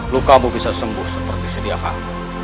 lukamu bisa sembuh seperti sediakanmu